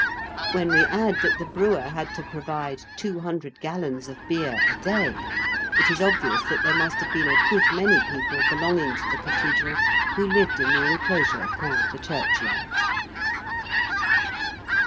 When we add that the Brewer had to provide 200 gallons of beer a day, it is obvious that there must have been a good many people belonging to the Cathedral who lived in the enclosure called the Churchyard.